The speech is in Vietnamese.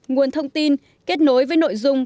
nguồn thông tin kết nối với nội dung